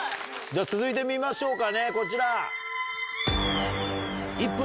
続いて見ましょうかねこちら。